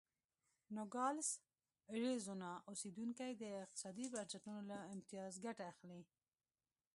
نوګالس اریزونا اوسېدونکي د اقتصادي بنسټونو له امتیاز ګټه اخلي.